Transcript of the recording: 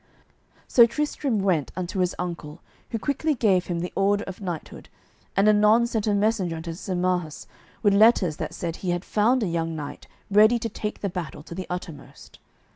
So Tristram went unto his uncle, who quickly gave him the order of knighthood, and anon sent a messenger unto Sir Marhaus with letters that said he had found a young knight ready to take the battle to the uttermost.